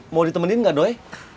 mau ditemenin nggak doi